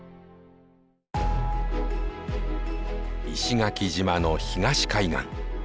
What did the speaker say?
石垣島の東海岸。